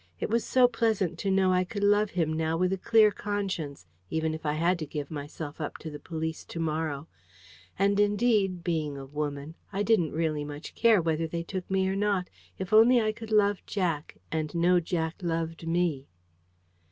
It was so pleasant to know I could love him now with a clear conscience, even if I had to give myself up to the police to morrow. And indeed, being a woman, I didn't really much care whether they took me or not, if only I could love Jack, and know Jack loved me.